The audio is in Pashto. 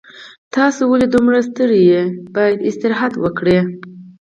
تاسو ولې دومره ستړي یې باید استراحت وکړئ